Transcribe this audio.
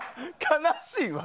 悲しいわ。